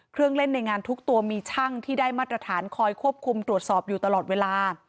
เครื่องเล่นในงานทุกตัวมีช่างที่ได้มาตรฐานคอยควบคุมตรวจสอบอยู่ตลอดเวลา